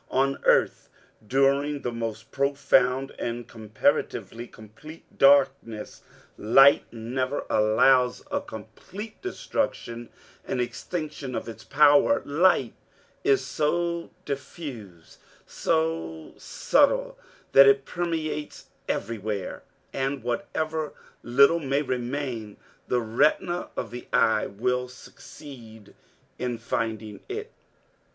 On earth during the most profound and comparatively complete darkness, light never allows a complete destruction and extinction of its power. Light is so diffuse, so subtle, that it permeates everywhere, and whatever little may remain, the retina of the eye will succeed in finding it.